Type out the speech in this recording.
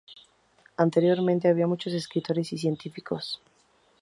Anteriormente había muchos escritores y científicos.